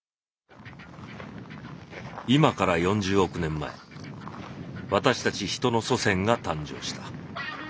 今から４０億年前私たち人の祖先が誕生した。